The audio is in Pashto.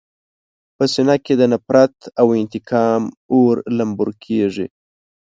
په سینه کې د نفرت او انتقام اور لمبور کېږي.